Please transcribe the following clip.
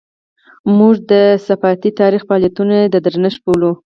موږ د صحافتي تاریخ فعالیتونه یې د درنښت بولو.